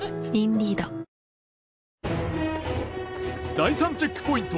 第３チェックポイント